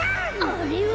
あれは！